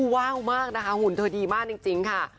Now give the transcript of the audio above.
ว้าวมากนะคะหุ่นเธอดีมากจริงค่ะ